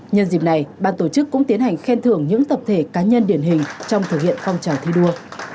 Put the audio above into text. nhân dịp này ban tổ chức cũng tiến hành khen thưởng những tập thể cá nhân điển hình trong thực hiện phong trào thi đua